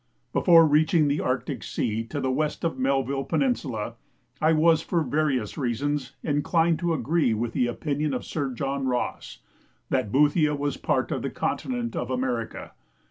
Before reaching the Arctic Sea to the west of Melville Peninsula, I was for various reasons inclined to agree with the opinion of Sir John Ross, "that Boothia was part of the continent of America."